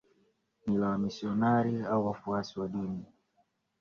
ni la Wamisionari au wafuasi wa dini